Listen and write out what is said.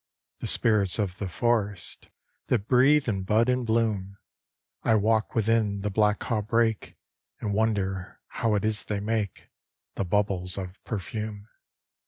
The spirits of the forest, That breathe in bud and bloom I walk within the black haw brake And wonder how it is they make The bubbles of perfume.